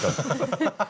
ハハハハ。